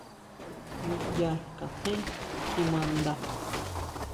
Niyá xkajen kjimaʼnda.